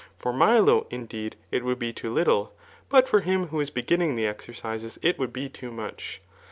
For Milo, indeed, it would be ^ lit tle } but for him who is beginning the exercises it woul4 be too much.